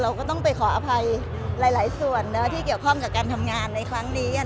ก็ต้องไปขออภัยหลายส่วนที่เกี่ยวข้องกับการทำงานในครั้งนี้